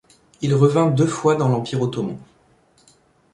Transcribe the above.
Il revint deux fois dans l’Empire ottoman.